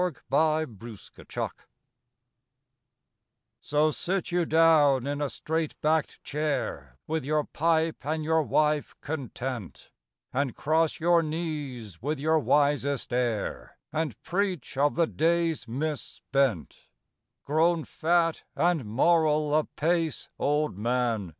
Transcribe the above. THE BATTLING DAYS So, sit you down in a straight backed chair, with your pipe and your wife content, And cross your knees with your wisest air, and preach of the 'days mis spent;' Grown fat and moral apace, old man!